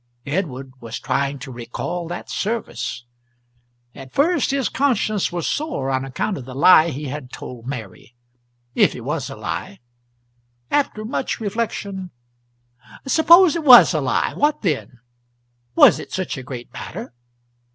Edward was trying to recall that service. At first his conscience was sore on account of the lie he had told Mary if it was a lie. After much reflection suppose it was a lie? What then? Was it such a great matter?